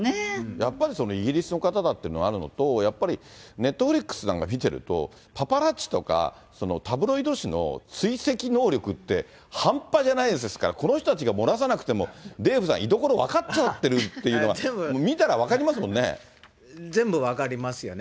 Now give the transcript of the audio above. やっぱりイギリスの方だっていうのがあるのと、やっぱりネットフリックスなんか見てると、パパラッチとかタブロイド紙の追跡能力って半端じゃないですから、この人たちが漏らさなくても、デーブさん、居所分かっちゃってるというのは見たら分かりますよね。